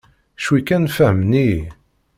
Cwi kan fehmen-iyi.